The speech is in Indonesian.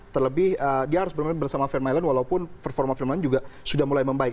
terlebih dia harus bermain bersama vermaelen walaupun performa vermaelen juga sudah mulai membaik